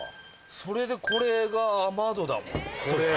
それでこれが雨戸だもん。